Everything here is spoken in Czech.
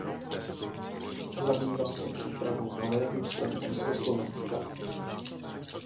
Zabýval se přípravou nové ústavy Československa.